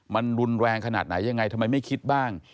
มันรุนแรงขนาดไหนยังไงทำไมไม่คิดบ้าง